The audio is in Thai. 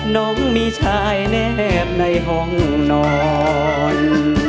น้องมีชายแนบในห้องนอน